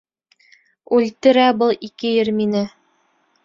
Үлтерә был ике ир мине!